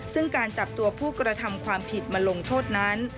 ซึ่งการจับตัวผู้กระทำความผิดมาลงโทษนั้น